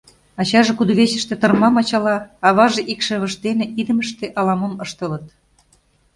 Ачаже кудывечыште тырмам ачала, аваже икшывышт дене идымыште ала-мом ыштылыт.